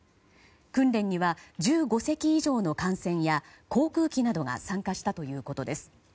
訓練には１５隻以上の艦船や航空機などが参加したということです。